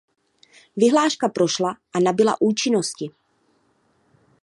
Vyhláška prošla a nabyla účinnosti.